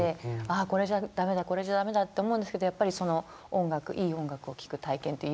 ああこれじゃ駄目だこれじゃ駄目だって思うんですけどやっぱりその音楽いい音楽を聴く体験って唯一無二で。